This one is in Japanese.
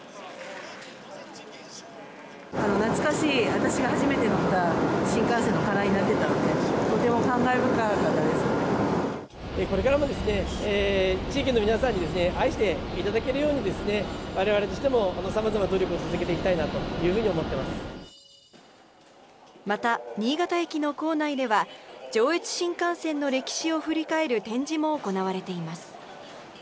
私が初めて乗った新幹線のカラーになってたので、これからも、地域の皆さんに愛していただけるようにですね、われわれとしてもさまざまな努力を続けていきたいなというふうにまた、新潟駅の構内では、上越新幹線の歴史を振り返る展示も行われています。